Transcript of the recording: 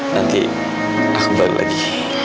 nanti aku balik lagi